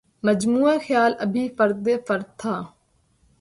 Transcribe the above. مجموعہ خیال ابھی فرد فرد تھا